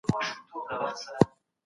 ادبي څېړنه د ادب په اړه پوهه ده.